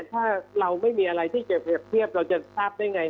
อย่างนั้นเนี่ยถ้าเราไม่มีอะไรที่จะเปรียบเทียบเราจะทราบได้ไงฮะเออ